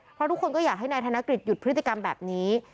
เพราะทุกคนก็อยากให้นายธนกฤษหยุดพฤติกรรมแบบนี้